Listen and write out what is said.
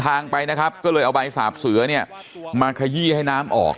ทางไปนะครับก็เลยเอาใบสาบเสือเนี่ยมาขยี้ให้น้ำออก